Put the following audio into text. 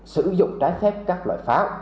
sử dụng trái phép các loại pháo